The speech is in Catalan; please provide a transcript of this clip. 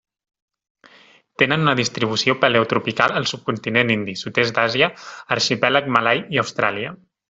Tenen una distribució paleotropical al subcontinent indi, sud-est d'Àsia, arxipèlag malai i Austràlia.